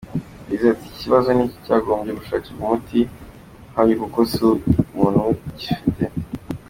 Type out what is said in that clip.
Yagize ati “Ikibazo nk’iki cyagombye gushakirwa umuti uhamye kuko si umuntu umwe ugifite.